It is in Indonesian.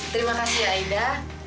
terima kasih ya aida